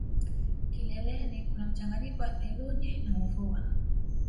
Kileleni kuna mchanganyiko wa theluji na mvua